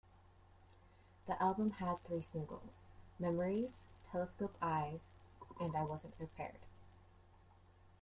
The album had three singles: "Memories", "Telescope Eyes", and "I Wasn't Prepared".